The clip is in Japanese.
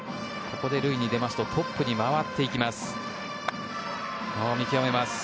ここで塁に出ますとトップに回っていきます。